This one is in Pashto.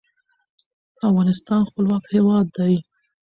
افغانستان خپلواک هیواد دی.